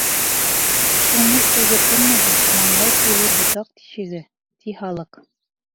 Күңел күҙе күрмәһә, маңлай күҙе — ботаҡ тишеге, ти халыҡ.